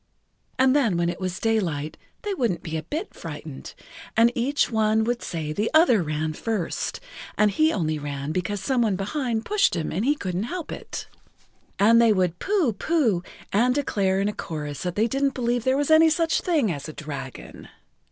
And then when it was daylight they wouldn't be a bit frightened, and each one would say the other ran first, and he only ran because some one behind pushed him and he couldn't help it. And they would pooh! pooh! and declare in a chorus they didn't believe there was any such thing as a dragon.